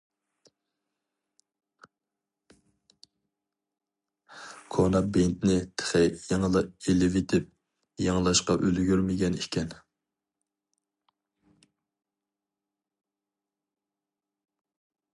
كونا بىنتنى تېخى يېڭىلا ئېلىۋېتىپ، يېڭىلاشقا ئۈلگۈرمىگەن ئىكەن.